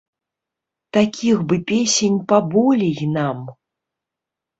Такіх бы песень паболей нам!